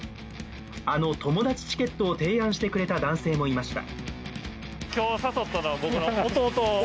あの「友達チケット」を提案してくれた男性もいました。